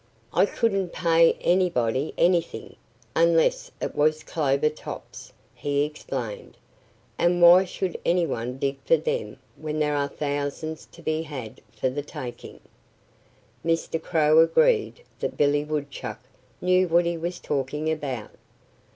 "I couldn't pay anybody anything unless it was clover tops," he explained. "And why should any one dig for them when there are thousands to be had for the taking?" Mr. Crow agreed that Billy Woodchuck knew what he was talking about.